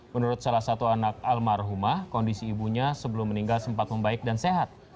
menurut salah satu anak almarhumah kondisi ibunya sebelum meninggal sempat membaik dan sehat